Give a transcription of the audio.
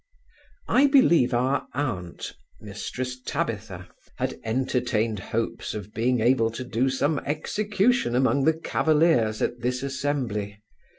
I believe our aunt, Mrs Tabitha, had entertained hopes of being able to do some execution among the cavaliers at this assembly.